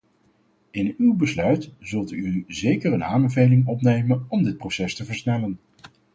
In uw besluit zult u zeker een aanbeveling opnemen om dit proces te versnellen.